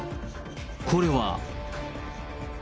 これは。